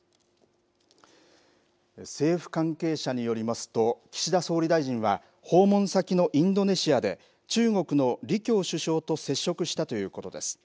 政府関係者によりますと、岸田総理大臣は訪問先のインドネシアで、中国の李強首相と接触したということです。